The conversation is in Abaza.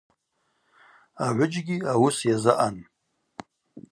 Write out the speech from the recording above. Агӏвыджьгьи ауыс йазыъан.